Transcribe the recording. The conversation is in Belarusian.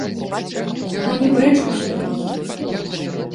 Гані прэч усе думкі.